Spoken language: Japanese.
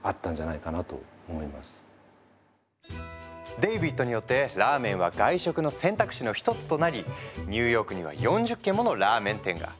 デイビッドによってラーメンは外食の選択肢の一つとなりニューヨークには４０軒ものラーメン店が。